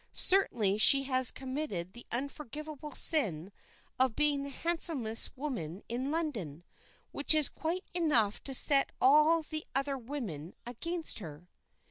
"Certainly she has committed the unforgivable sin of being the handsomest woman in London, which is quite enough to set all the other women against her."